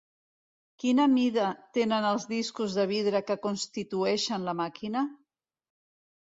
Quina mida tenen els discos de vidre que constitueixen la màquina?